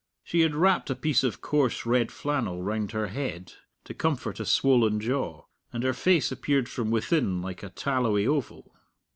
She had wrapped a piece of coarse red flannel round her head to comfort a swollen jaw, and her face appeared from within like a tallowy oval.